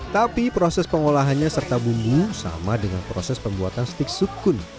tapi proses pengolahannya serta bumbu sama dengan proses pembuatan stik sukun